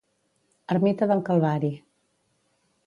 Ermita del Calvari